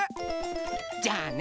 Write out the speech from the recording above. じゃあね。